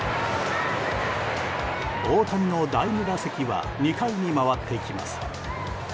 大谷の第２打席は２回に回ってきます。